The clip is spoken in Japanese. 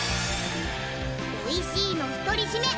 おいしいの独り占め